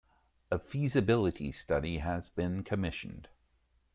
A feasibility study has been commissioned.